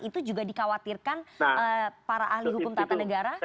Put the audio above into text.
itu juga dikhawatirkan para ahli hukum tata negara